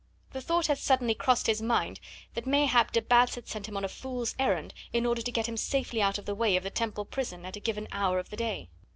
The thought had suddenly crossed his mind that mayhap de Batz had sent him on a fool's errand in order to get him safely out of the way of the Temple prison at a given hour of the day.